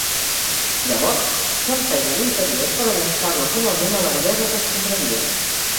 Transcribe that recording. Llavors, s'empeny a l'interior per a llançar-la finalment a la galleda d'escombraries.